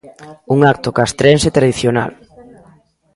Un acto castrense tradicional.